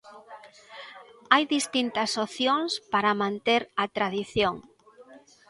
Hai distintas opcións para manter a tradición.